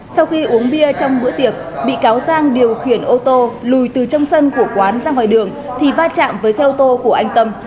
sau khi uống bia trong bữa tiệc bị cáo giang điều khiển ô tô lùi từ trong sân của quán ra ngoài đường thì va chạm với xe ô tô của anh tâm